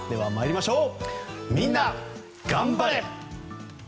みんながん晴れ。